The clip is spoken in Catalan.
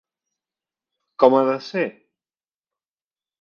Com ha de ser?